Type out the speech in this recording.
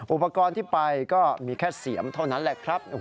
อุปกรณ์ที่ไปก็มีแค่เสียมเท่านั้นแหละครับ